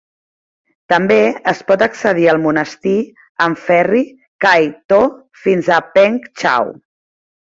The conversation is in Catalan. També es pot accedir al monestir amb ferri kai-to fins a Peng Chau.